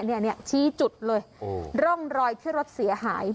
เนี่ยชี้จุดเลยร่องรอยที่รถเสียหาย